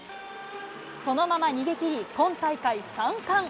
そのまま逃げきり、今大会３冠。